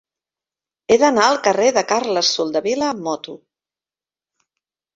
He d'anar al carrer de Carles Soldevila amb moto.